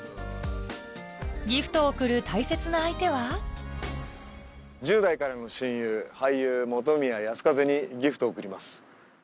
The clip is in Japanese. ギフトを贈る大切な相手は１０代からの親友俳優本宮泰風にギフトを贈ります。